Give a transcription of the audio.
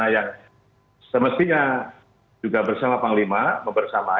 yang semestinya bersama pak lima